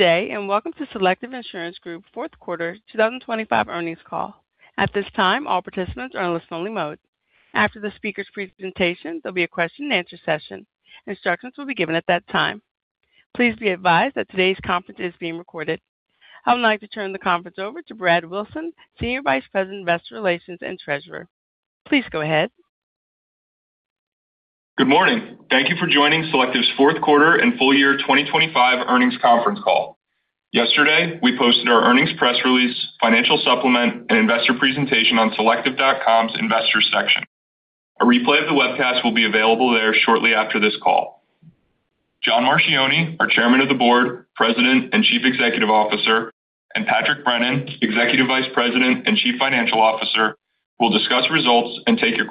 Today, and welcome to Selective Insurance Group fourth quarter 2025 earnings call. At this time, all participants are on listen-only mode. After the speaker's presentation, there'll be a question-and-answer session. Instructions will be given at that time. Please be advised that today's conference is being recorded. I would like to turn the conference over to Brad Wilson, Senior Vice President, Investor Relations and Treasurer. Please go ahead. Good morning. Thank you for joining Selective's fourth quarter and full year 2025 earnings conference call. Yesterday, we posted our earnings press release, financial supplement, and investor presentation on selective.com's investor section. A replay of the webcast will be available there shortly after this call. John Marchioni, our Chairman of the Board, President, and Chief Executive Officer, and Patrick Brennan, Executive Vice President and Chief Financial Officer, will discuss results and take your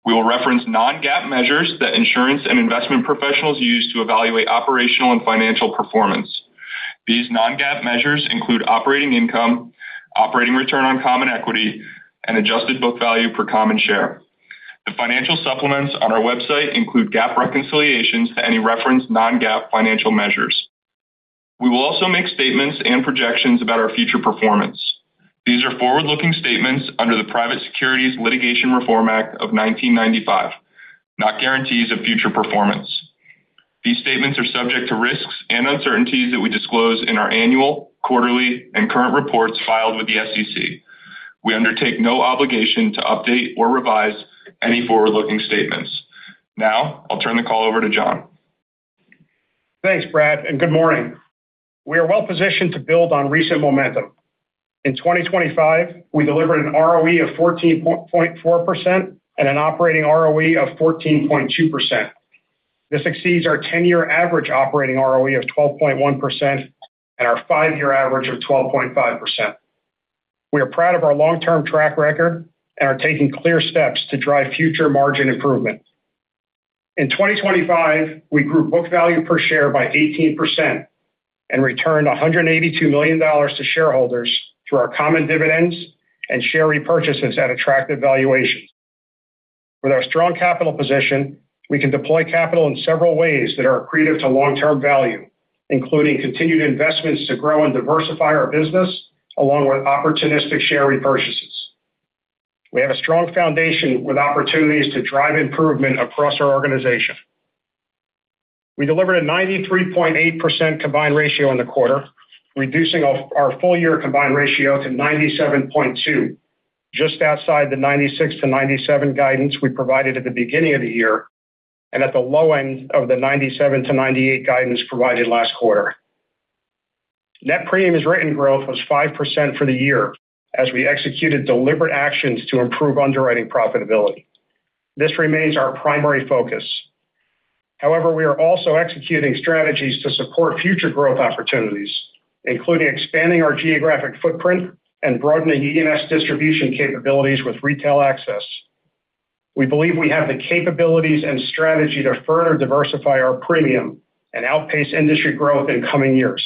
questions. We will reference non-GAAP measures that insurance and investment professionals use to evaluate operational and financial performance. These non-GAAP measures include operating income, operating return on common equity, and adjusted book value per common share. The financial supplements on our website include GAAP reconciliations to any referenced non-GAAP financial measures. We will also make statements and projections about our future performance. These are forward-looking statements under the Private Securities Litigation Reform Act of 1995, not guarantees of future performance. These statements are subject to risks and uncertainties that we disclose in our annual, quarterly, and current reports filed with the SEC. We undertake no obligation to update or revise any forward-looking statements. Now, I'll turn the call over to John. Thanks, Brad, and good morning. We are well-positioned to build on recent momentum. In 2025, we delivered an ROE of 14.4% and an operating ROE of 14.2%. This exceeds our 10-year average operating ROE of 12.1% and our 5-year average of 12.5%. We are proud of our long-term track record and are taking clear steps to drive future margin improvement. In 2025, we grew book value per share by 18% and returned $182 million to shareholders through our common dividends and share repurchases at attractive valuations. With our strong capital position, we can deploy capital in several ways that are accretive to long-term value, including continued investments to grow and diversify our business, along with opportunistic share repurchases. We have a strong foundation with opportunities to drive improvement across our organization. We delivered a 93.8% combined ratio in the quarter, reducing our full-year combined ratio to 97.2, just outside the 96%-97% guidance we provided at the beginning of the year, and at the low end of the 97%-98% guidance provided last quarter. Net premiums written growth was 5% for the year as we executed deliberate actions to improve underwriting profitability. This remains our primary focus. However, we are also executing strategies to support future growth opportunities, including expanding our geographic footprint and broadening E&S distribution capabilities with retail access. We believe we have the capabilities and strategy to further diversify our premium and outpace industry growth in coming years.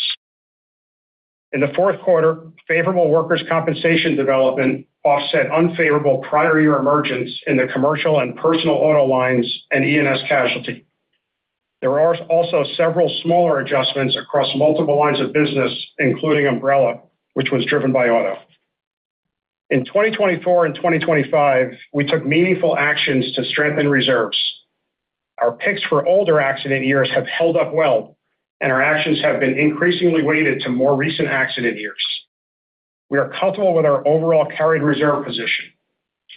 In the fourth quarter, favorable workers' compensation development offset unfavorable prior year emergence in the commercial and personal auto lines and E&S casualty. There are also several smaller adjustments across multiple lines of business, including umbrella, which was driven by auto. In 2024 and 2025, we took meaningful actions to strengthen reserves. Our picks for older accident years have held up well, and our actions have been increasingly weighted to more recent accident years. We are comfortable with our overall carried reserve position.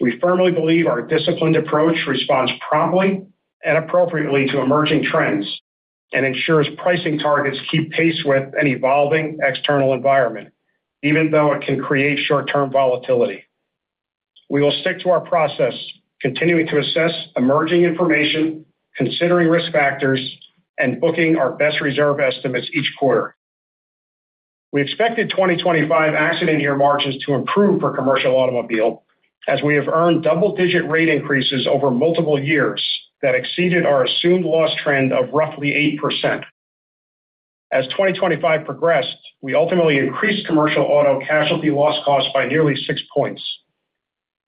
We firmly believe our disciplined approach responds promptly and appropriately to emerging trends and ensures pricing targets keep pace with an evolving external environment, even though it can create short-term volatility. We will stick to our process, continuing to assess emerging information, considering risk factors, and booking our best reserve estimates each quarter. We expected 2025 accident year margins to improve for commercial automobile, as we have earned double-digit rate increases over multiple years that exceeded our assumed loss trend of roughly 8%. As 2025 progressed, we ultimately increased commercial auto casualty loss costs by nearly 6 points.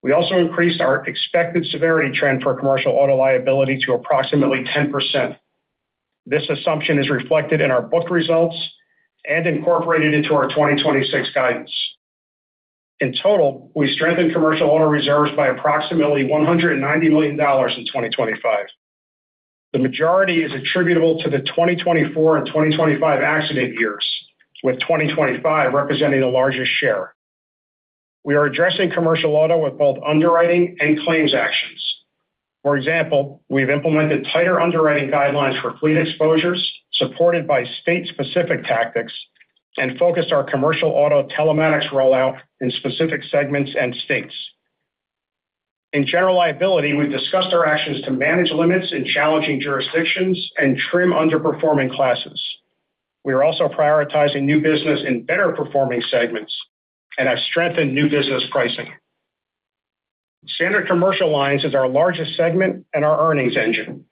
We also increased our expected severity trend for commercial auto liability to approximately 10%. This assumption is reflected in our book results and incorporated into our 2026 guidance. In total, we strengthened commercial auto reserves by approximately $190 million in 2025. The majority is attributable to the 2024 and 2025 accident years, with 2025 representing the largest share. We are addressing commercial auto with both underwriting and claims actions. For example, we've implemented tighter underwriting guidelines for fleet exposures, supported by state-specific tactics, and focused our commercial auto telematics rollout in specific segments and states. In general liability, we've discussed our actions to manage limits in challenging jurisdictions and trim underperforming classes. We are also prioritizing new business in better-performing segments and have strengthened new business pricing. Standard Commercial Lines is our largest segment and our earnings engine.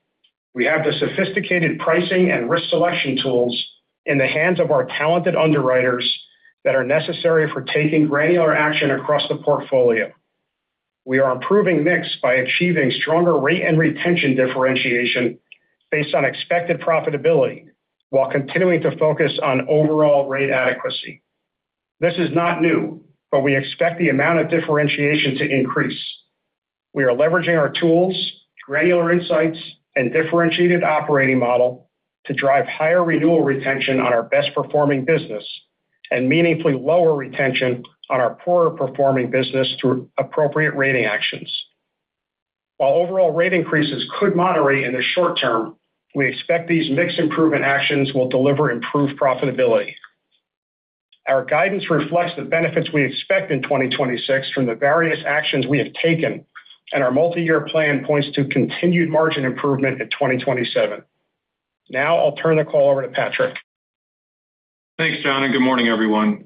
We have the sophisticated pricing and risk selection tools in the hands of our talented underwriters that are necessary for taking granular action across the portfolio. We are improving mix by achieving stronger rate and retention differentiation based on expected profitability, while continuing to focus on overall rate adequacy. This is not new, but we expect the amount of differentiation to increase. We are leveraging our tools, granular insights, and differentiated operating model to drive higher renewal retention on our best-performing business, and meaningfully lower retention on our poorer-performing business through appropriate rating actions. While overall rate increases could moderate in the short term, we expect these mix improvement actions will deliver improved profitability. Our guidance reflects the benefits we expect in 2026 from the various actions we have taken, and our multiyear plan points to continued margin improvement in 2027. Now I'll turn the call over to Patrick. Thanks, John, and good morning, everyone.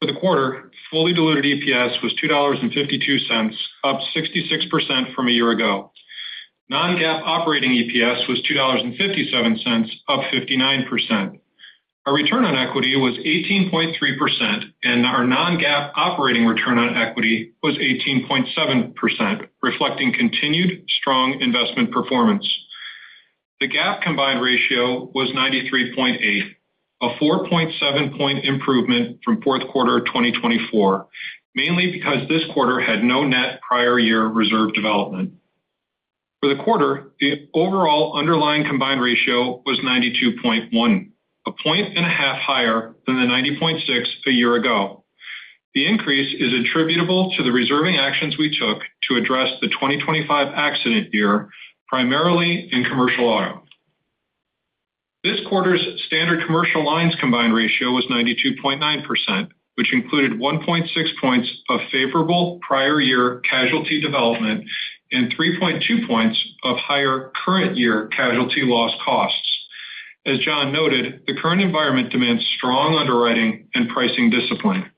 For the quarter, fully diluted EPS was $2.52, up 66% from a year ago. Non-GAAP operating EPS was $2.57, up 59%. Our return on equity was 18.3%, and our non-GAAP operating return on equity was 18.7%, reflecting continued strong investment performance. The GAAP combined ratio was 93.8, a 4.7-point improvement from fourth quarter of 2024, mainly because this quarter had no net prior year reserve development. For the quarter, the overall underlying combined ratio was 92.1, a point and a half higher than the 90.6 a year ago. The increase is attributable to the reserving actions we took to address the 2025 accident year, primarily in Commercial Auto. This quarter's Standard Commercial Lines combined ratio was 92.9%, which included 1.6 points of favorable prior year casualty development and 3.2 points of higher current year casualty loss costs. As John noted, the current environment demands strong underwriting and pricing discipline.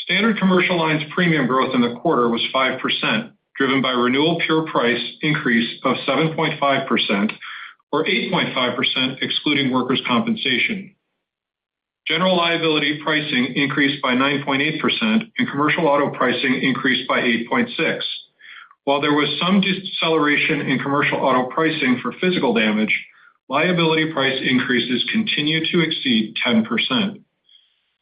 Standard Commercial Lines premium growth in the quarter was 5%, driven by renewal pure price increase of 7.5%, or 8.5% excluding Workers' Compensation. General Liability pricing increased by 9.8%, and Commercial Auto pricing increased by 8.6%. While there was some deceleration in Commercial Auto pricing for physical damage, liability price increases continued to exceed 10%.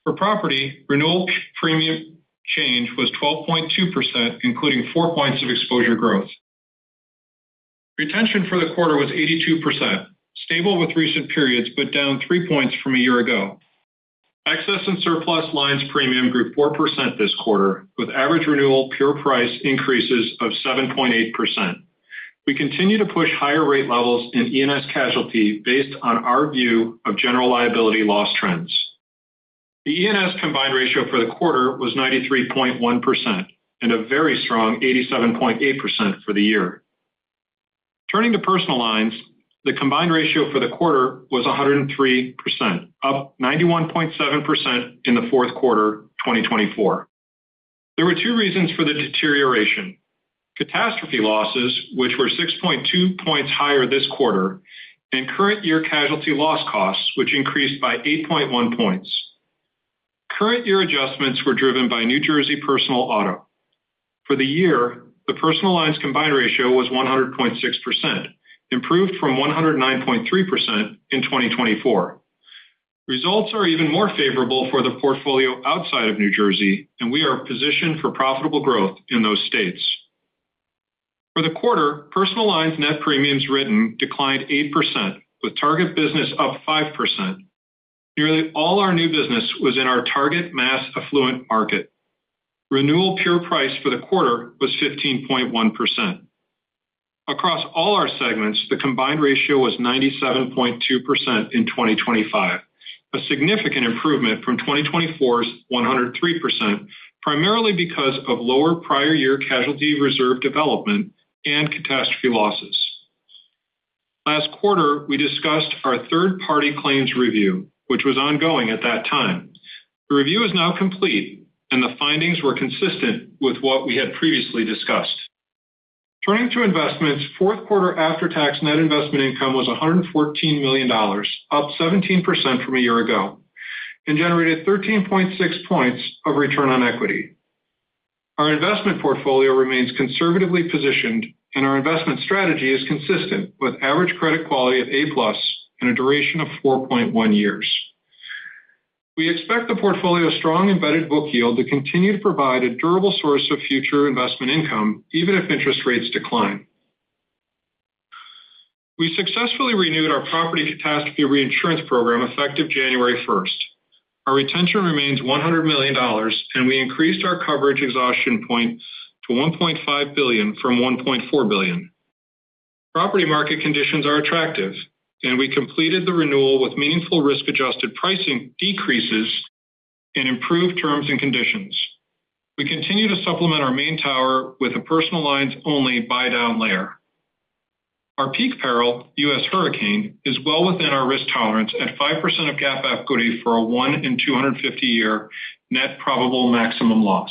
For Property, renewal premium change was 12.2%, including 4 points of exposure growth. Retention for the quarter was 82%, stable with recent periods, but down 3 points from a year ago. Excess and Surplus Lines premium grew 4% this quarter, with average renewal pure price increases of 7.8%. We continue to push higher rate levels in E&S casualty based on our view of general liability loss trends. The E&S combined ratio for the quarter was 93.1%, and a very strong 87.8% for the year. Turning to personal lines, the combined ratio for the quarter was 103%, up 91.7% in the fourth quarter of 2024. There were two reasons for the deterioration. Catastrophe losses, which were 6.2 points higher this quarter, and current year casualty loss costs, which increased by 8.1 points. Current year adjustments were driven by New Jersey Personal Auto. For the year, the Personal Lines combined ratio was 100.6%, improved from 109.3% in 2024. Results are even more favorable for the portfolio outside of New Jersey, and we are positioned for profitable growth in those states. For the quarter, Personal Lines net premiums written declined 8%, with target business up 5%. Nearly all our new business was in our target mass affluent market. Renewal pure price for the quarter was 15.1%. Across all our segments, the combined ratio was 97.2% in 2025, a significant improvement from 2024's 103%, primarily because of lower prior year casualty reserve development and catastrophe losses. Last quarter, we discussed our third-party claims review, which was ongoing at that time. The review is now complete, and the findings were consistent with what we had previously discussed. Turning to investments, fourth quarter after-tax net investment income was $114 million, up 17% from a year ago, and generated 13.6 points of return on equity. Our investment portfolio remains conservatively positioned, and our investment strategy is consistent, with average credit quality of A+ and a duration of 4.1 years. We expect the portfolio's strong embedded book yield to continue to provide a durable source of future investment income, even if interest rates decline. We successfully renewed our property catastrophe reinsurance program, effective January first. Our retention remains $100 million, and we increased our coverage exhaustion point to $1.5 billion from $1.4 billion. Property market conditions are attractive, and we completed the renewal with meaningful risk-adjusted pricing decreases and improved terms and conditions. We continue to supplement our main tower with a personal lines-only buy down layer. Our peak peril, U.S. hurricane, is well within our risk tolerance at 5% of GAAP equity for a 1 in 250-year net probable maximum loss.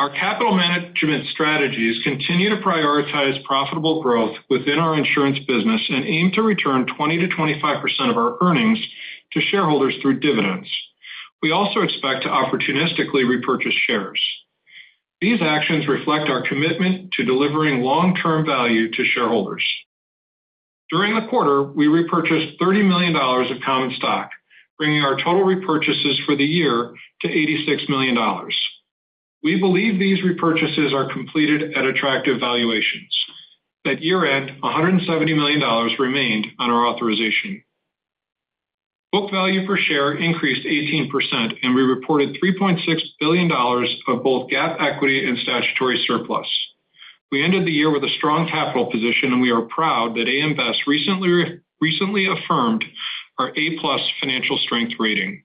Our capital management strategies continue to prioritize profitable growth within our insurance business and aim to return 20%-25% of our earnings to shareholders through dividends. We also expect to opportunistically repurchase shares. These actions reflect our commitment to delivering long-term value to shareholders. During the quarter, we repurchased $30 million of common stock, bringing our total repurchases for the year to $86 million. We believe these repurchases are completed at attractive valuations. At year-end, $170 million remained on our authorization. Book value per share increased 18%, and we reported $3.6 billion of both GAAP equity and statutory surplus. We ended the year with a strong capital position, and we are proud that AM Best recently affirmed our A+ financial strength rating.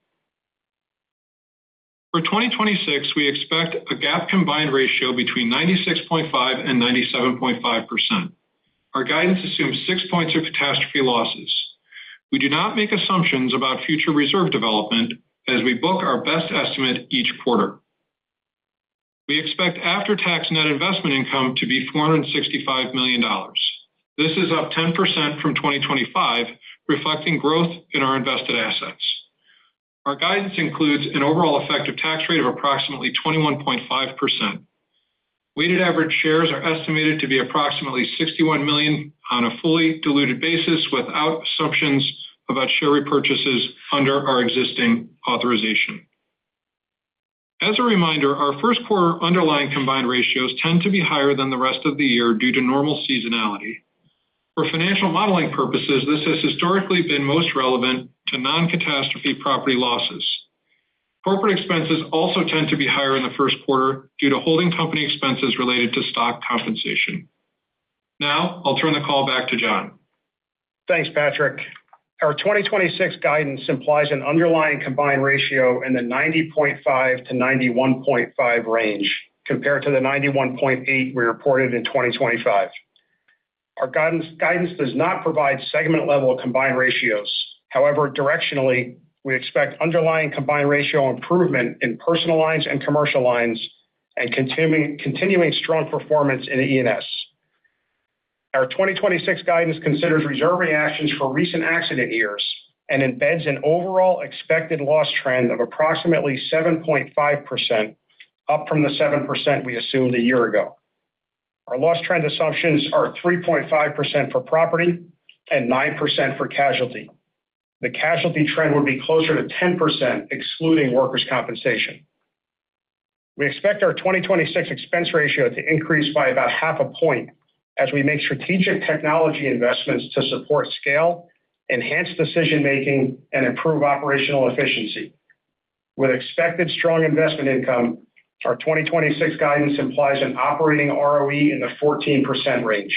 For 2026, we expect a GAAP combined ratio between 96.5% and 97.5%. Our guidance assumes six points of catastrophe losses. We do not make assumptions about future reserve development as we book our best estimate each quarter. We expect after-tax net investment income to be $465 million. This is up 10% from 2025, reflecting growth in our invested assets. Our guidance includes an overall effective tax rate of approximately 21.5%. Weighted average shares are estimated to be approximately 61 million on a fully diluted basis, without assumptions about share repurchases under our existing authorization. As a reminder, our first quarter underlying combined ratios tend to be higher than the rest of the year due to normal seasonality. For financial modeling purposes, this has historically been most relevant to non-catastrophe property losses. Corporate expenses also tend to be higher in the first quarter due to holding company expenses related to stock compensation. Now, I'll turn the call back to John. Thanks, Patrick. Our 2026 guidance implies an underlying combined ratio in the 90.5%-91.5% range, compared to the 91.8 we reported in 2025. Our guidance does not provide segment-level combined ratios. However, directionally, we expect underlying combined ratio improvement in Personal Lines and Commercial Lines, and continuing strong performance in E&S. Our 2026 guidance considers reserve actions for recent accident years and embeds an overall expected loss trend of approximately 7.5%, up from the 7% we assumed a year ago. Our loss trend assumptions are 3.5% for Property and 9% for casualty. The casualty trend would be closer to 10%, excluding Workers' Compensation. We expect our 2026 expense ratio to increase by about 0.5 point as we make strategic technology investments to support scale, enhance decision-making, and improve operational efficiency. With expected strong investment income, our 2026 guidance implies an operating ROE in the 14% range.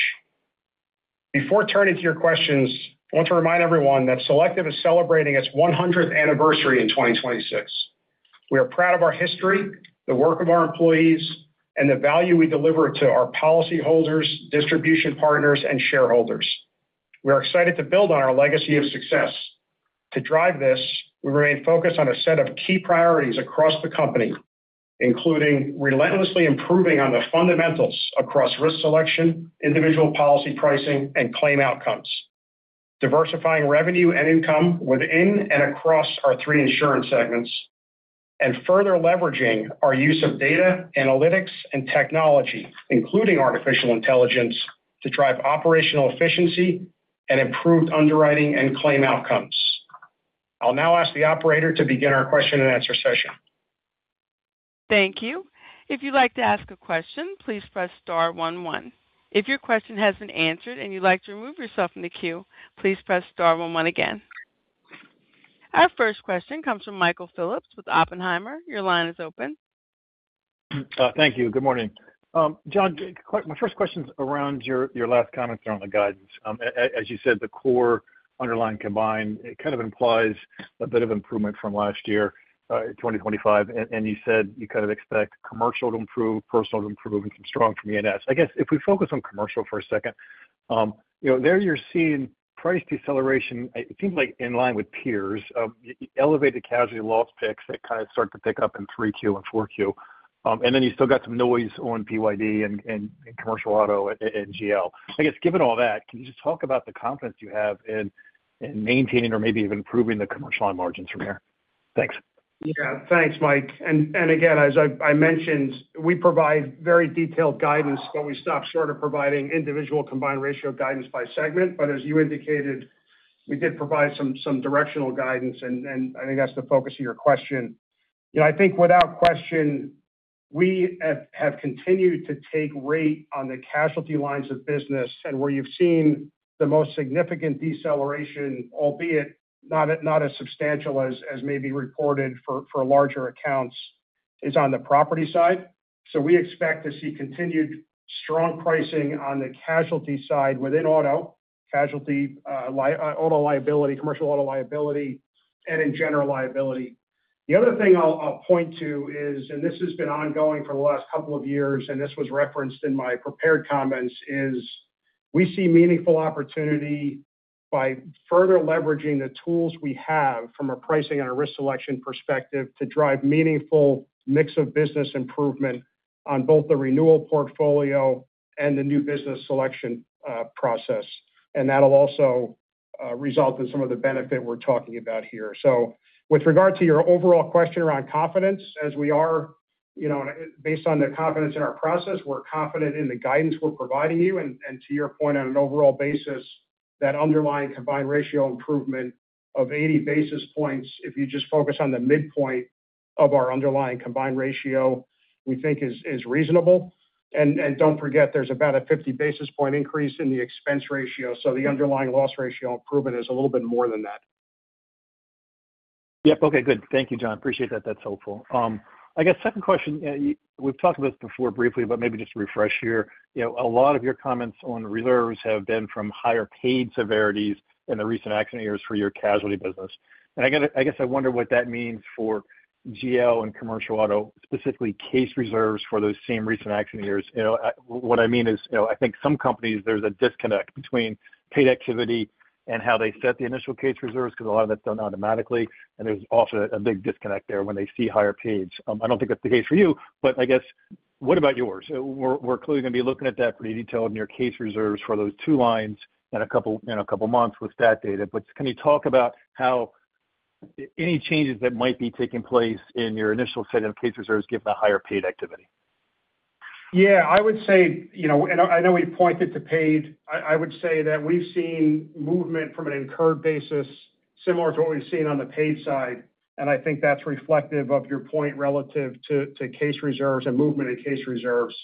Before turning to your questions, I want to remind everyone that Selective is celebrating its 100th anniversary in 2026. We are proud of our history, the work of our employees, and the value we deliver to our policyholders, distribution partners, and shareholders. We are excited to build on our legacy of success. To drive this, we remain focused on a set of key priorities across the company, including relentlessly improving on the fundamentals across risk selection, individual policy pricing, and claim outcomes, diversifying revenue and income within and across our three insurance segments, and further leveraging our use of data, analytics, and technology, including artificial intelligence, to drive operational efficiency and improved underwriting and claim outcomes. I'll now ask the operator to begin our question-and-answer session. Thank you. If you'd like to ask a question, please press star one, one. If your question has been answered and you'd like to remove yourself from the queue, please press star one, one again. Our first question comes from Michael Phillips with Oppenheimer. Your line is open. Thank you. Good morning. John, quick, my first question is around your last comments around the guidance. As you said, the core underlying combined, it kind of implies a bit of improvement from last year, 2025, and you said you kind of expect commercial to improve, personal to improve, and strong from E&S. I guess, if we focus on commercial for a second, you know, there you're seeing price deceleration, it seems like in line with peers, elevated casualty loss picks that kind of start to pick up in 3Q and 4Q. And then you still got some noise on PYD and commercial auto and GL. I guess, given all that, can you just talk about the confidence you have in maintaining or maybe even improving the commercial line margins from here? Thanks. Yeah. Thanks, Mike. And again, as I mentioned, we provide very detailed guidance, but we stop short of providing individual combined ratio guidance by segment. But as you indicated, we did provide some directional guidance, and I think that's the focus of your question. You know, I think without question, we have continued to take rate on the casualty lines of business, and where you've seen the most significant deceleration, albeit not as substantial as may be reported for larger accounts, is on the property side. So we expect to see continued strong pricing on the casualty side within auto, casualty, auto liability, commercial auto liability, and in general liability. The other thing I'll point to is, and this has been ongoing for the last couple of years, and this was referenced in my prepared comments, is we see meaningful opportunity by further leveraging the tools we have from a pricing and a risk selection perspective to drive meaningful mix of business improvement on both the renewal portfolio and the new business selection process. And that'll also result in some of the benefit we're talking about here. So with regard to your overall question around confidence, as we are, you know, based on the confidence in our process, we're confident in the guidance we're providing you. And, and to your point, on an overall basis, that underlying combined ratio improvement of 80 basis points, if you just focus on the midpoint of our underlying combined ratio, we think is reasonable. Don't forget, there's about a 50 basis point increase in the expense ratio, so the underlying loss ratio improvement is a little bit more than that. Yep. Okay, good. Thank you, John. Appreciate that. That's helpful. I guess second question, we've talked about this before briefly, but maybe just to refresh here. You know, a lot of your comments on reserves have been from higher paid severities in the recent accident years for your casualty business. And I guess, I guess I wonder what that means for GL and commercial auto, specifically case reserves for those same recent accident years. You know, what I mean is, you know, I think some companies, there's a disconnect between paid activity and how they set the initial case reserves, because a lot of that's done automatically, and there's often a big disconnect there when they see higher paid. I don't think that's the case for you, but I guess, what about yours? We're clearly going to be looking at that pretty detailed in your case reserves for those two lines in a couple of months with that data. But can you talk about how any changes that might be taking place in your initial set of case reserves, given the higher paid activity? Yeah, I would say, you know, and I know we pointed to paid. I would say that we've seen movement from an incurred basis, similar to what we've seen on the paid side, and I think that's reflective of your point relative to case reserves and movement in case reserves.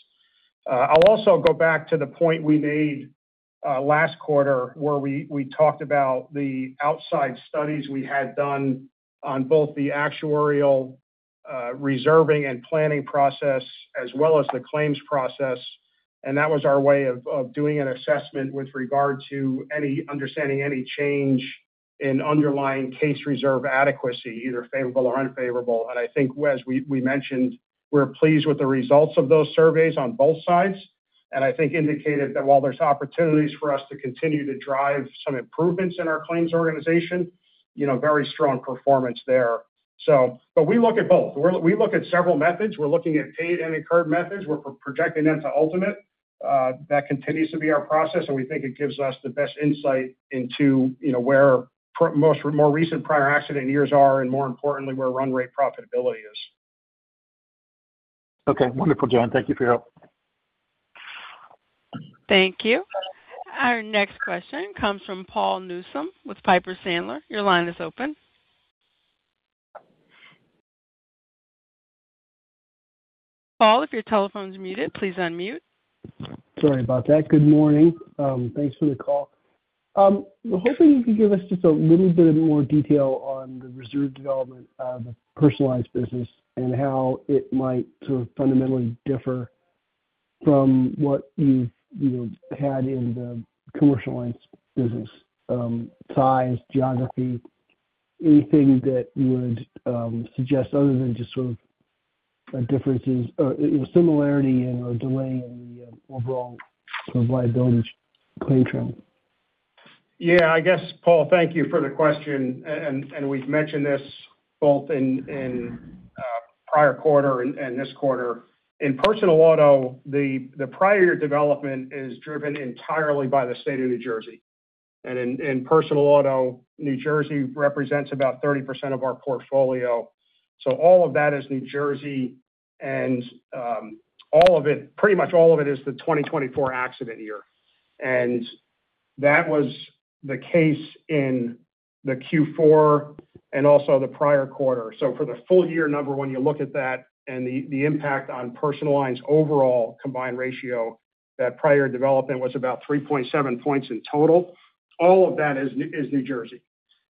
I'll also go back to the point we made last quarter, where we talked about the outside studies we had done on both the actuarial reserving and planning process, as well as the claims process. And that was our way of doing an assessment with regard to understanding any change in underlying case reserve adequacy, either favorable or unfavorable. I think, as we mentioned, we're pleased with the results of those surveys on both sides, and I think indicated that while there's opportunities for us to continue to drive some improvements in our claims organization, you know, very strong performance there. But we look at both. We look at several methods. We're looking at paid and incurred methods. We're projecting them to ultimate. That continues to be our process, and we think it gives us the best insight into, you know, where the most recent prior accident years are, and more importantly, where run rate profitability is. Okay, wonderful, John. Thank you for your help. Thank you. Our next question comes from Paul Newsome with Piper Sandler. Your line is open. Paul, if your telephone is muted, please unmute. Sorry about that. Good morning. Thanks for the call. I was hoping you could give us just a little bit more detail on the reserve development of personal lines business and how it might sort of fundamentally differ from what you've, you know, had in the commercial lines business, size, geography, anything that you would suggest other than just sort of differences, similarity in or delay in the overall sort of liability claim trend? Yeah, I guess, Paul, thank you for the question. And we've mentioned this both in prior quarter and this quarter. In personal auto, the prior year development is driven entirely by the state of New Jersey. And in personal auto, New Jersey represents about 30% of our portfolio. So all of that is New Jersey, and pretty much all of it is the 2024 accident year. And that was the case in the Q4 and also the prior quarter. So for the full year number, when you look at that and the impact on personal lines' overall combined ratio, that prior development was about 3.7 points in total. All of that is New Jersey.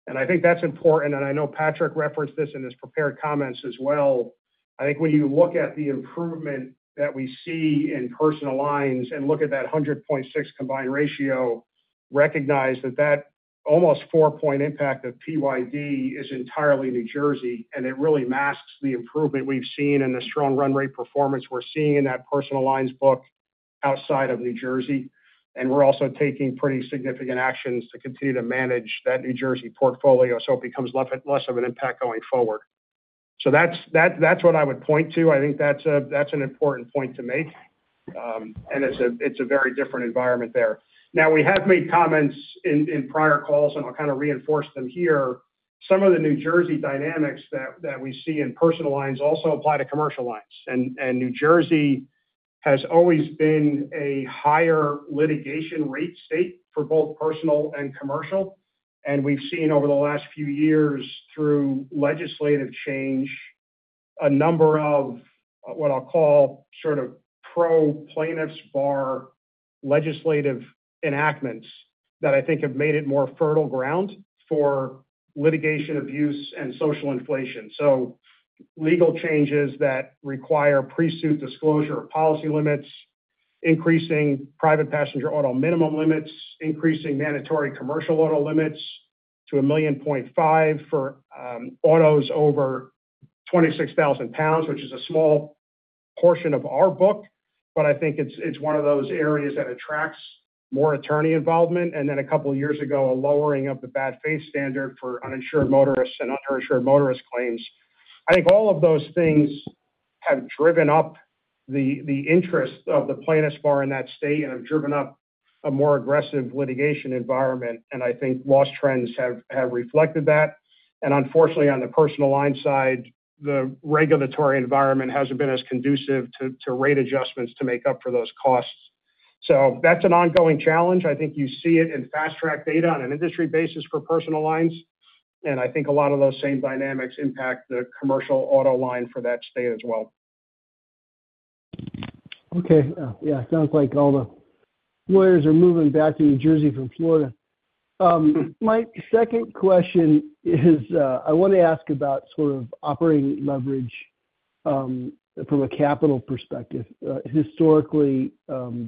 And I think that's important, and I know Patrick referenced this in his prepared comments as well. I think when you look at the improvement that we see in personal lines and look at that 100.6 combined ratio, recognize that almost 4-point impact of PYD is entirely New Jersey, and it really masks the improvement we've seen and the strong run rate performance we're seeing in that personal lines book outside of New Jersey. We're also taking pretty significant actions to continue to manage that New Jersey portfolio, so it becomes less of an impact going forward. That's what I would point to. I think that's an important point to make, and it's a very different environment there. Now, we have made comments in prior calls, and I'll kind of reinforce them here. Some of the New Jersey dynamics that we see in personal lines also apply to commercial lines. And New Jersey has always been a higher litigation rate state for both personal and commercial. And we've seen over the last few years, through legislative change, a number of what I'll call sort of pro plaintiffs bar legislative enactments that I think have made it more fertile ground for litigation abuse and social inflation. So legal changes that require pre-suit disclosure of policy limits, increasing private passenger auto minimum limits, increasing mandatory commercial auto limits to 1.5 million for autos over 26,000 pounds, which is a small portion of our book, but I think it's one of those areas that attracts more attorney involvement, and then a couple of years ago, a lowering of the bad faith standard for uninsured motorists and underinsured motorist claims. I think all of those things have driven up the interest of the plaintiffs bar in that state and have driven up a more aggressive litigation environment, and I think loss trends have reflected that. Unfortunately, on the personal line side, the regulatory environment hasn't been as conducive to rate adjustments to make up for those costs. That's an ongoing challenge. I think you see it in fast-track data on an industry basis for personal lines, and I think a lot of those same dynamics impact the commercial auto line for that state as well. Okay. Yeah, sounds like all the lawyers are moving back to New Jersey from Florida. My second question is, I want to ask about sort of operating leverage, from a capital perspective. Historically,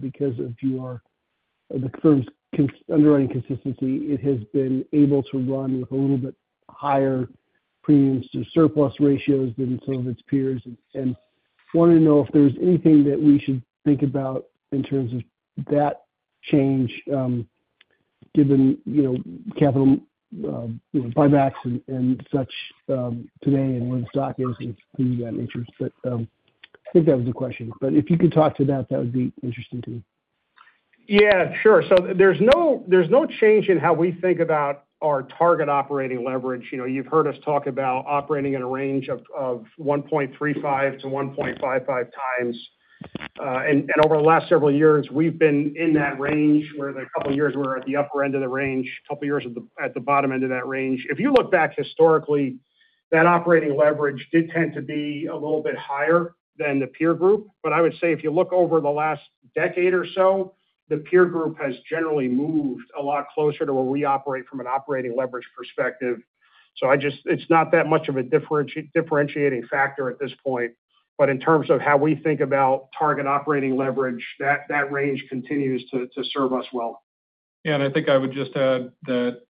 because of your—the firm's consistent underwriting consistency, it has been able to run with a little bit higher premiums to surplus ratios than some of its peers. And want to know if there's anything that we should think about in terms of that change, given, you know, capital, you know, buybacks and, and such, today and where the stock is and things of that nature. But, I think that was the question. But if you could talk to that, that would be interesting to me. Yeah, sure. So there's no, there's no change in how we think about our target operating leverage. You know, you've heard us talk about operating in a range of one point three five to one point five five times. And over the last several years, we've been in that range, where the couple of years we were at the upper end of the range, a couple of years at the bottom end of that range. If you look back historically, that operating leverage did tend to be a little bit higher than the peer group. But I would say if you look over the last decade or so, the peer group has generally moved a lot closer to where we operate from an operating leverage perspective. So I just, it's not that much of a differentiating factor at this point. In terms of how we think about target operating leverage, that range continues to serve us well. I think I would just add that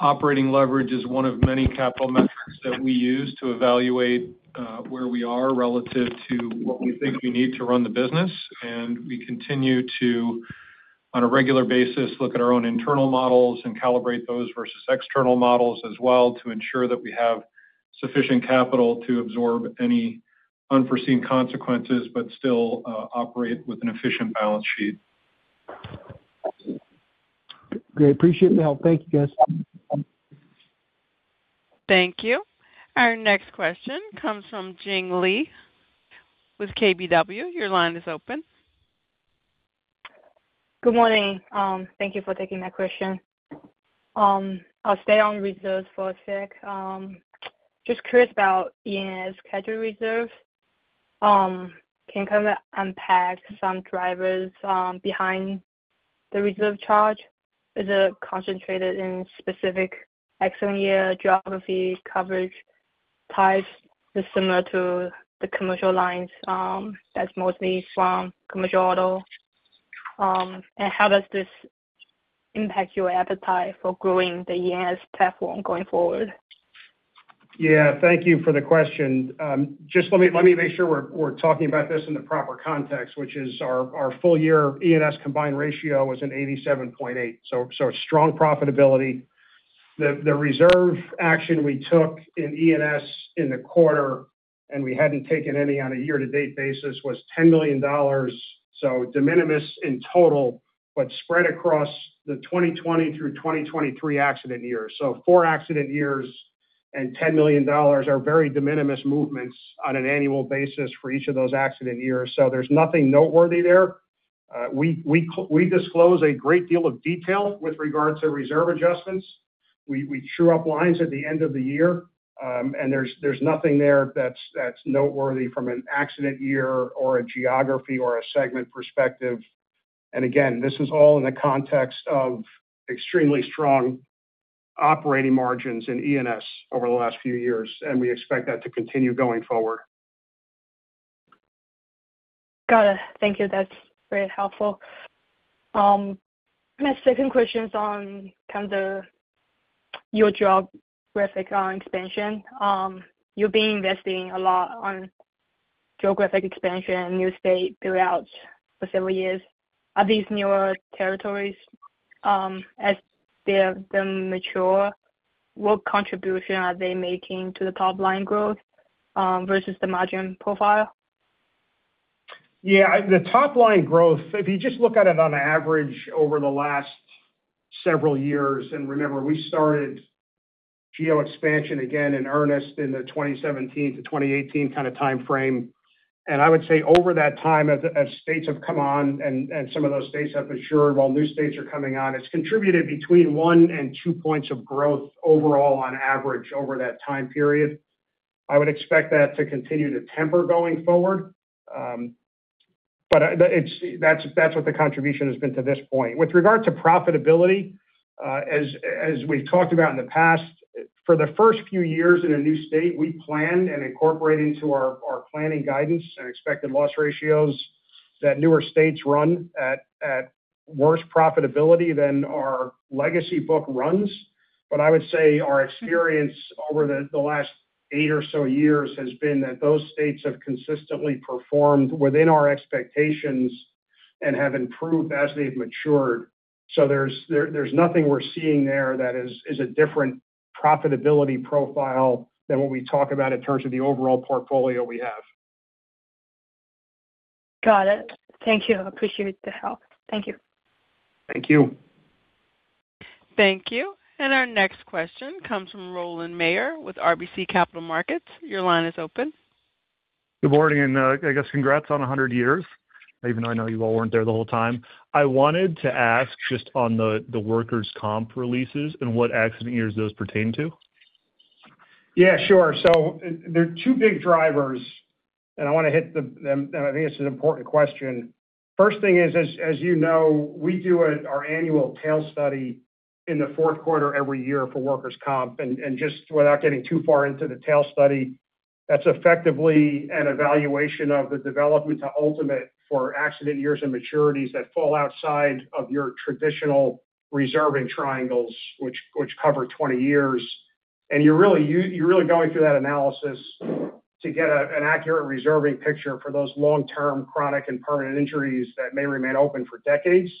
operating leverage is one of many capital metrics that we use to evaluate where we are relative to what we think we need to run the business. We continue to, on a regular basis, look at our own internal models and calibrate those versus external models as well, to ensure that we have sufficient capital to absorb any unforeseen consequences, but still operate with an efficient balance sheet. Great. Appreciate your help. Thank you, guys. Thank you. Our next question comes from Jing Li with KBW. Your line is open. Good morning. Thank you for taking my question. I'll stay on reserves for a sec. Just curious about E&S schedule reserve. Can you kind of unpack some drivers behind the reserve charge? Is it concentrated in specific accident year, geography, coverage types, is similar to the commercial lines, that's mostly from commercial auto? And how does this impact your appetite for growing the E&S platform going forward? Yeah, thank you for the question. Just let me, let me make sure we're, we're talking about this in the proper context, which is our, our full year E&S combined ratio was an 87.8, so, so strong profitability. The, the reserve action we took in E&S in the quarter, and we hadn't taken any on a year-to-date basis, was $10 million, so de minimis in total, but spread across the 2020 through 2023 accident years. So four accident years and $10 million are very de minimis movements on an annual basis for each of those accident years. So there's nothing noteworthy there. We, we disclose a great deal of detail with regards to reserve adjustments. We true up lines at the end of the year, and there's nothing there that's noteworthy from an accident year or a geography or a segment perspective. And again, this is all in the context of extremely strong operating margins in E&S over the last few years, and we expect that to continue going forward. Got it. Thank you. That's very helpful. My second question is on kind of your geographic expansion. You've been investing a lot on geographic expansion in new state throughout the several years. Are these newer territories, as they're them mature, what contribution are they making to the top line growth, versus the margin profile? Yeah, the top line growth, if you just look at it on average over the last several years, and remember, we started geo expansion again in earnest in the 2017-2018 kind of time frame. And I would say over that time, as states have come on and some of those states have matured while new states are coming on, it's contributed between one and two points of growth overall on average over that time period. I would expect that to continue to temper going forward. But it's—that's what the contribution has been to this point. With regard to profitability, as we've talked about in the past, for the first few years in a new state, we plan and incorporate into our planning guidance and expected loss ratios. that newer states run at worse profitability than our legacy book runs. But I would say our experience over the last eight or so years has been that those states have consistently performed within our expectations and have improved as they've matured. So there's nothing we're seeing there that is a different profitability profile than what we talk about in terms of the overall portfolio we have. Got it. Thank you. I appreciate the help. Thank you. Thank you. Thank you. Our next question comes from Scott Heleniak with RBC Capital Markets. Your line is open. Good morning, and, I guess congrats on 100 years, even though I know you all weren't there the whole time. I wanted to ask just on the workers' comp releases and what accident years those pertain to? Yeah, sure. So, there are two big drivers, and I want to hit them, and I think it's an important question. First thing is, as you know, we do our annual tail study in the fourth quarter every year for workers' comp, and just without getting too far into the tail study, that's effectively an evaluation of the development to ultimate for accident years and maturities that fall outside of your traditional reserving triangles, which cover 20 years. And you're really going through that analysis to get an accurate reserving picture for those long-term, chronic, and permanent injuries that may remain open for decades.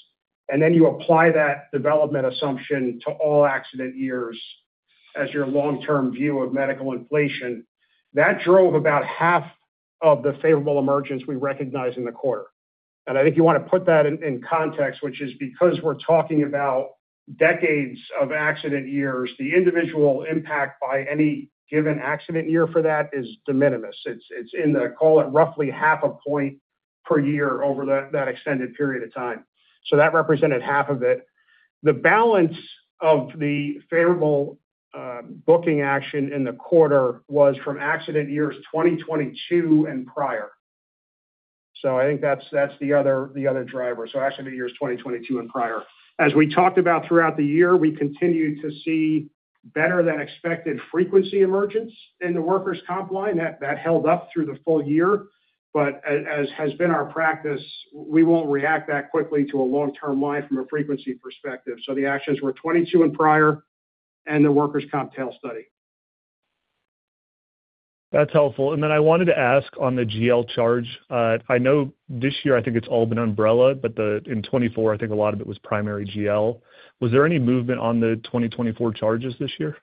And then you apply that development assumption to all accident years as your long-term view of medical inflation. That drove about half of the favorable emergence we recognize in the quarter. I think you want to put that in context, which is because we're talking about decades of accident years, the individual impact by any given accident year for that is de minimis. It's in the, call it, roughly 0.5 point per year over that extended period of time. So that represented half of it. The balance of the favorable booking action in the quarter was from accident years 2022 and prior. So I think that's the other driver, so accident years 2022 and prior. As we talked about throughout the year, we continued to see better-than-expected frequency emergence in the workers' comp line. That held up through the full year, but as has been our practice, we won't react that quickly to a long-term line from a frequency perspective. So the accident years were 22 and prior, and the workers' comp tail study. That's helpful. And then I wanted to ask on the GL charge. I know this year, I think it's all been umbrella, but in 2024, I think a lot of it was primary GL. Was there any movement on the 2024 charges this year?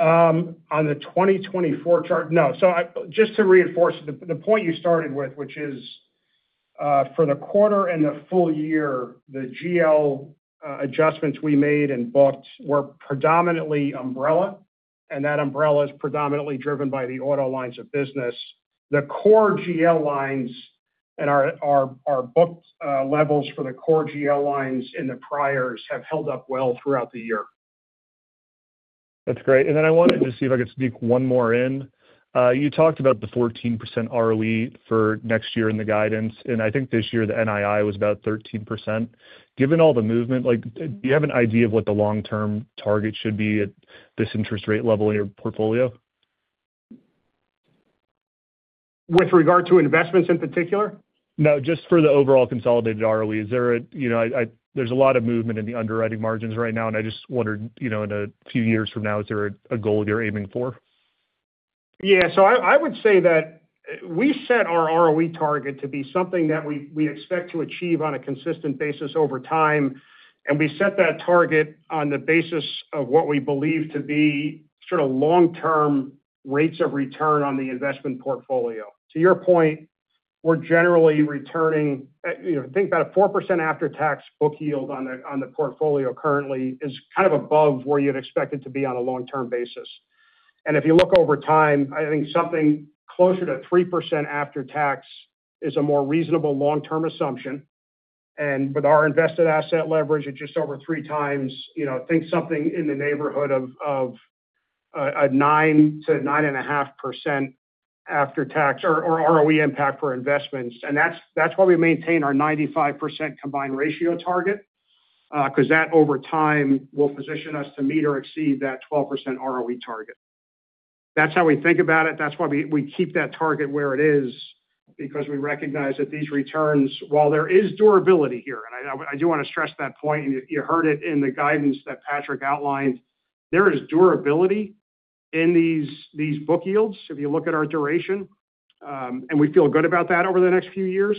On the 2024 charge? No. So I just to reinforce the, the point you started with, which is, for the quarter and the full year, the GL adjustments we made and booked were predominantly umbrella, and that umbrella is predominantly driven by the auto lines of business. The core GL lines and our, our, our booked levels for the core GL lines in the priors have held up well throughout the year. That's great. Then I wanted to see if I could sneak one more in. You talked about the 14% ROE for next year in the guidance, and I think this year, the NII was about 13%. Given all the movement, like, do you have an idea of what the long-term target should be at this interest rate level in your portfolio? With regard to investments in particular? No, just for the overall consolidated ROE. Is there a. You know, I, I, there's a lot of movement in the underwriting margins right now, and I just wondered, you know, in a few years from now, is there a, a goal you're aiming for? Yeah. So I would say that we set our ROE target to be something that we expect to achieve on a consistent basis over time, and we set that target on the basis of what we believe to be sort of long-term rates of return on the investment portfolio. To your point, we're generally returning, you know, think about a 4% after-tax book yield on the portfolio currently is kind of above where you'd expect it to be on a long-term basis. And if you look over time, I think something closer to 3% after tax is a more reasonable long-term assumption. And with our invested asset leverage at just over 3 times, you know, think something in the neighborhood of a 9%-9.5% after-tax or ROE impact for investments. And that's, that's why we maintain our 95% combined ratio target, because that, over time, will position us to meet or exceed that 12% ROE target. That's how we think about it. That's why we, we keep that target where it is, because we recognize that these returns, while there is durability here, and I, I do want to stress that point, and you, you heard it in the guidance that Patrick outlined, there is durability in these, these book yields, if you look at our duration, and we feel good about that over the next few years.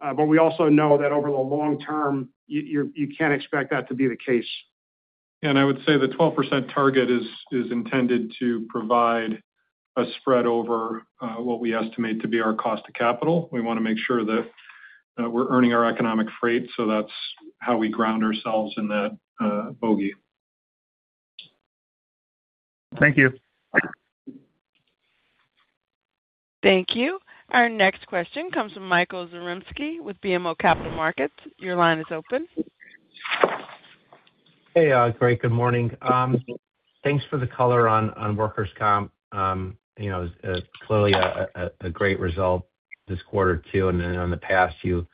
But we also know that over the long term, you, you, you can't expect that to be the case. I would say the 12% target is intended to provide a spread over what we estimate to be our cost of capital. We want to make sure that we're earning our economic freight, so that's how we ground ourselves in that bogey. Thank you. Thank you. Our next question comes from Michael Zaremski with BMO Capital Markets. Your line is open. Hey, great, good morning. Thanks for the color on workers' comp. You know, clearly a great result this quarter, too, and then on the past few.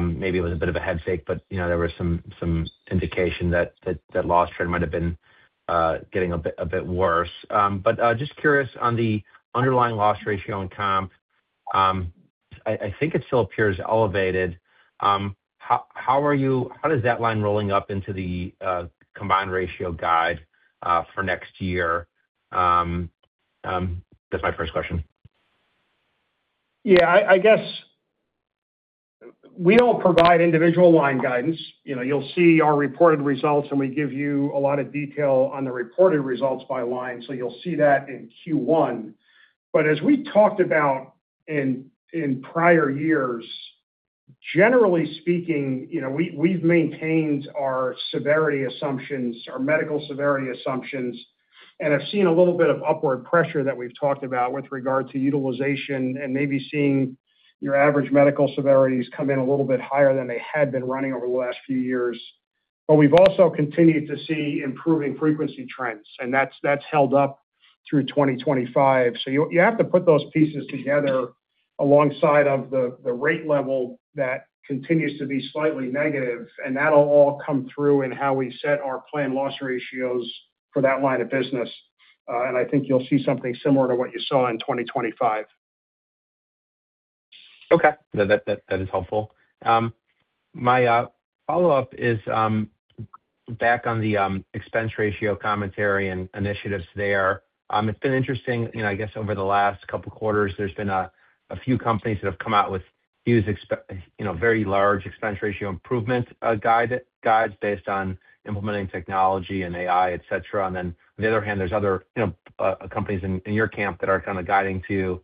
Maybe it was a bit of a head fake, but, you know, there was some indication that loss trend might have been getting a bit worse. But, just curious on the underlying loss ratio in comp, I think it still appears elevated. How does that line rolling up into the combined ratio guide for next year? That's my first question. Yeah, I guess we don't provide individual line guidance. You know, you'll see our reported results, and we give you a lot of detail on the reported results by line, so you'll see that in Q1. But as we talked about in prior years, generally speaking, you know, we've maintained our severity assumptions, our medical severity assumptions, and have seen a little bit of upward pressure that we've talked about with regard to utilization and maybe seeing your average medical severities come in a little bit higher than they had been running over the last few years. But we've also continued to see improving frequency trends, and that's held up through 2025. So you, you have to put those pieces together alongside of the, the rate level that continues to be slightly negative, and that'll all come through in how we set our planned loss ratios for that line of business. And I think you'll see something similar to what you saw in 2025. Okay. That is helpful. My follow-up is back on the expense ratio commentary and initiatives there. It's been interesting, you know, I guess over the last couple of quarters, there's been a few companies that have come out with huge, you know, very large expense ratio improvement, guide, guides based on implementing technology and AI, et cetera. And then, on the other hand, there's other, you know, companies in your camp that are kind of guiding to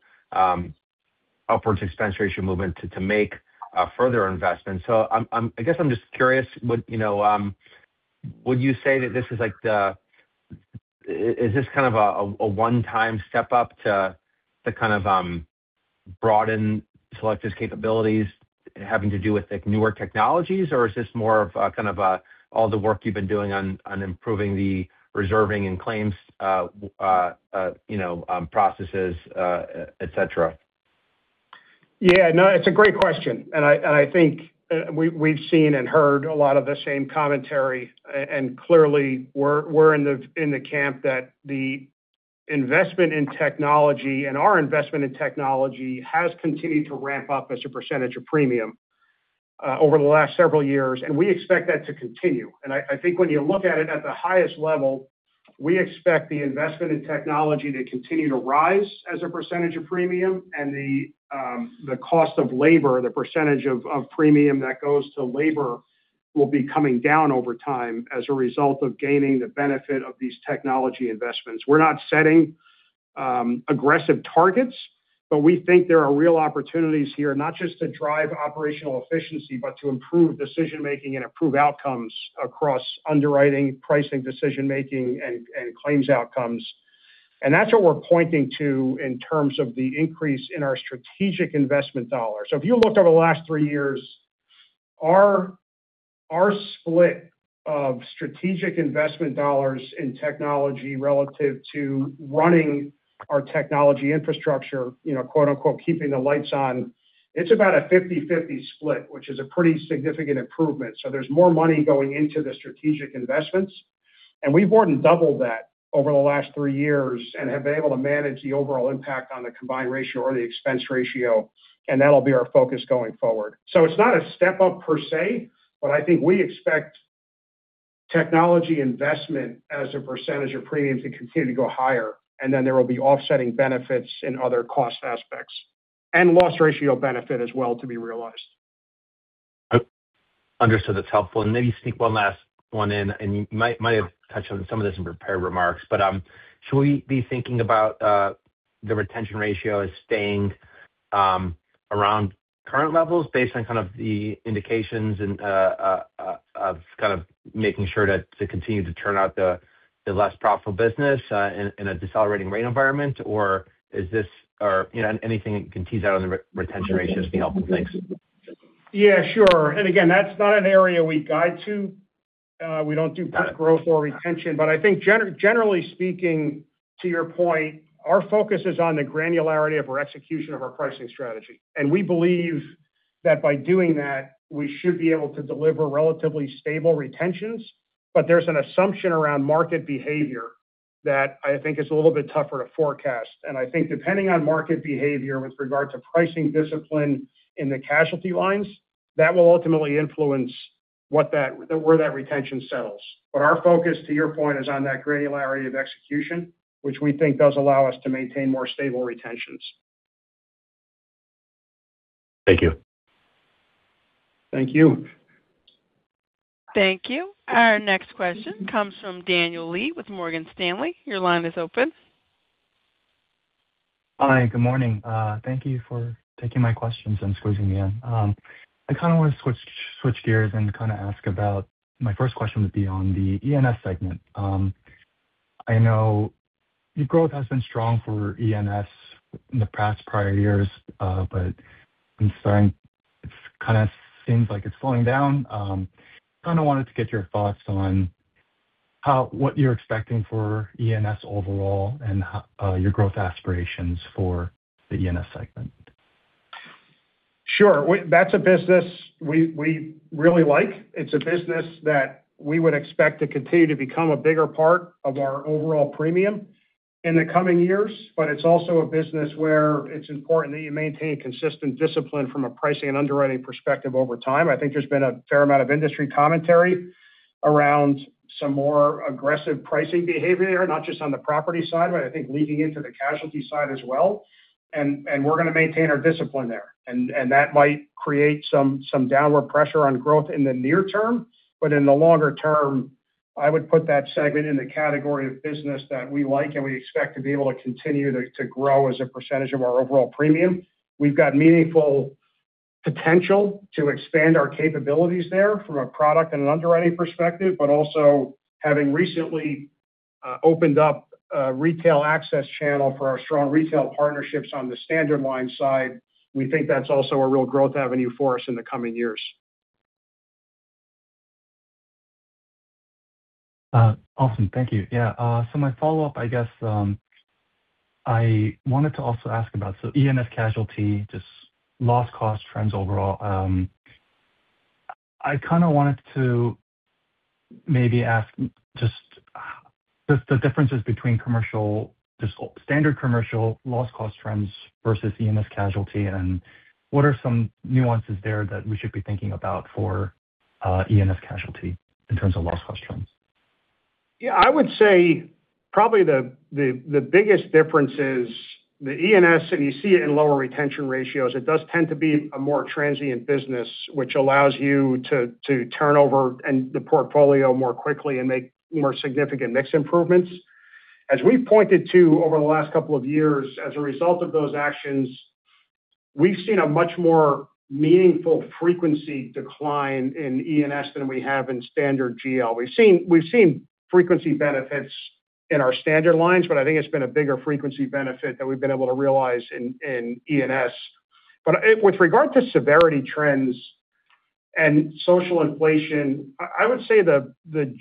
upwards expense ratio movement to make further investments. So I guess I'm just curious, what, you know, would you say that this is like the, is this kind of a one-time step up to kind of broaden Selective's capabilities, having to do with, like, newer technologies? Or is this more of kind of a, all the work you've been doing on improving the reserving and claims, you know, processes, et cetera? Yeah, no, it's a great question, and I, and I think, we, we've seen and heard a lot of the same commentary. And clearly, we're, we're in the camp that the investment in technology, and our investment in technology has continued to ramp up as a percentage of premium, over the last several years, and we expect that to continue. And I, I think when you look at it at the highest level, we expect the investment in technology to continue to rise as a percentage of premium, and the, the cost of labor, the percentage of premium that goes to labor, will be coming down over time as a result of gaining the benefit of these technology investments. We're not setting aggressive targets, but we think there are real opportunities here, not just to drive operational efficiency, but to improve decision-making and improve outcomes across underwriting, pricing, decision-making, and, and claims outcomes. And that's what we're pointing to in terms of the increase in our strategic investment dollars. So if you looked over the last three years, our, our split of strategic investment dollars in technology relative to running our technology infrastructure, you know, quote-unquote, "keeping the lights on," it's about a 50/50 split, which is a pretty significant improvement. So there's more money going into the strategic investments, and we've more than doubled that over the last three years and have been able to manage the overall impact on the combined ratio or the expense ratio, and that'll be our focus going forward. It's not a step up per se, but I think we expect technology investment as a percentage of premium to continue to go higher, and then there will be offsetting benefits in other cost aspects, and loss ratio benefit as well to be realized. Understood. That's helpful. And maybe sneak one last one in, and you might have touched on some of this in prepared remarks, but should we be thinking about the retention ratio as staying around current levels based on kind of the indications and of kind of making sure that to continue to turn out the less profitable business in a decelerating rate environment? Or is this, or, you know, anything you can tease out on the retention ratios would be helpful. Thanks. Yeah, sure. And again, that's not an area we guide to. We don't do growth or retention, but I think generally speaking, to your point, our focus is on the granularity of our execution of our pricing strategy, and we believe that by doing that, we should be able to deliver relatively stable retentions. But there's an assumption around market behavior that I think is a little bit tougher to forecast. And I think depending on market behavior with regard to pricing discipline in the casualty lines, that will ultimately influence where that retention settles. But our focus, to your point, is on that granularity of execution, which we think does allow us to maintain more stable retentions. Thank you. Thank you. Thank you. Our next question comes from Daniel Lee with Morgan Stanley. Your line is open. Hi, good morning. Thank you for taking my questions and squeezing me in. I kind of want to switch, switch gears and kind of ask about, my first question would be on the ENS segment. I know your growth has been strong for ENS in the past prior years, but I'm starting—it's kind of seems like it's slowing down. Kind of wanted to get your thoughts on, how, what you're expecting for ENS overall and your growth aspirations for the ENS segment? Sure. That's a business we really like. It's a business that we would expect to continue to become a bigger part of our overall premium in the coming years. But it's also a business where it's important that you maintain consistent discipline from a pricing and underwriting perspective over time. I think there's been a fair amount of industry commentary around some more aggressive pricing behavior, not just on the property side, but I think leading into the casualty side as well. And we're gonna maintain our discipline there, and that might create some downward pressure on growth in the near term, but in the longer term, I would put that segment in the category of business that we like and we expect to be able to continue to grow as a percentage of our overall premium. We've got meaningful potential to expand our capabilities there from a product and an underwriting perspective, but also having recently opened up a retail access channel for our strong retail partnerships on the standard line side, we think that's also a real growth avenue for us in the coming years. Awesome. Thank you. Yeah, so my follow-up, I guess, I wanted to also ask about, so E&S casualty, just loss cost trends overall. I kinda wanted to maybe ask just, just the differences between commercial, just standard commercial loss cost trends versus E&S casualty, and what are some nuances there that we should be thinking about for, E&S casualty in terms of loss cost trends? Yeah, I would say probably the biggest difference is the E&S, and you see it in lower retention ratios. It does tend to be a more transient business, which allows you to turn over the portfolio more quickly and make more significant mix improvements. As we pointed to over the last couple of years, as a result of those actions, we've seen a much more meaningful frequency decline in E&S than we have in standard GL. We've seen frequency benefits in our standard lines, but I think it's been a bigger frequency benefit that we've been able to realize in E&S. But with regard to severity trends and social inflation, I would say the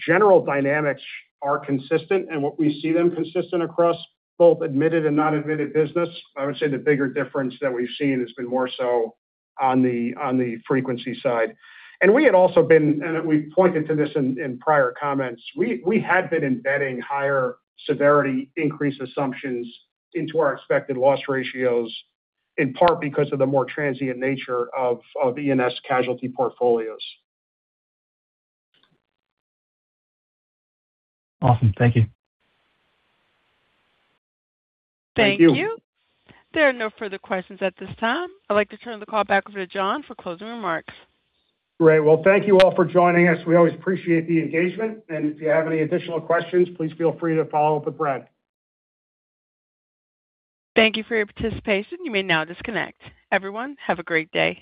general dynamics are consistent, and what we see them consistent across both admitted and non-admitted business. I would say the bigger difference that we've seen has been more so on the frequency side. And we had also been, and we've pointed to this in prior comments, we had been embedding higher severity increase assumptions into our expected loss ratios, in part because of the more transient nature of E&S casualty portfolios. Awesome. Thank you. Thank you. Thank you. There are no further questions at this time. I'd like to turn the call back over to John for closing remarks. Great. Well, thank you all for joining us. We always appreciate the engagement, and if you have any additional questions, please feel free to follow up with Brad. Thank you for your participation. You may now disconnect. Everyone, have a great day.